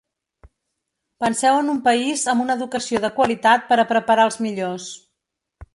Penseu en un país amb una educació de qualitat per a preparar els millors.